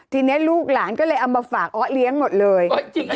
ทีนี้ลูกหลานก็เลยเอามาฝากอ้อเลี้ยงหมดเลย